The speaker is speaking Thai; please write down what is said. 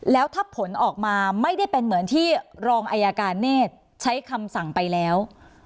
แล้วถ้าผลออกมาไม่ได้เป็นเหมือนที่รองอายการเนธใช้คำสั่งไปแล้ว